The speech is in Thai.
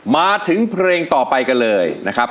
มาถึงเพลงต่อไปกันเลยนะครับ